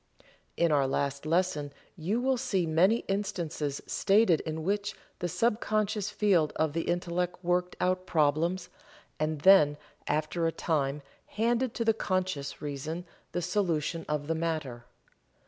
In our last lesson you will see many instances stated in which the sub conscious field of the Intellect worked out problems, and then after a time handed to the conscious reason the solution of the matter.